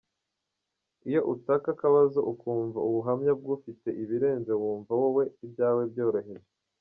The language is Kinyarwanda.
Iyo utaka akabazo ukumva ubuhamya bw’ufite ibirenze wumva wowe ibyawe byoroheje.